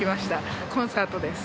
コンサートです。